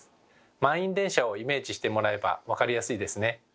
満員電車をイメージしてもらえば分かりやすいですね。